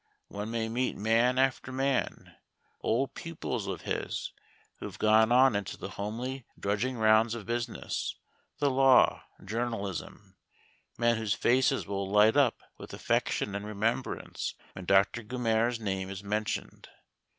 One may meet man after man, old pupils of his, who have gone on into the homely drudging rounds of business, the law, journalism men whose faces will light up with affection and remembrance when Doctor Gummere's name is mentioned.